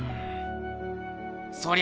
そりゃ